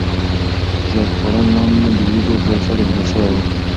ژیړبخون لم د وریجو په سر ایښودل شوی و.